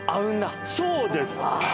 そうです。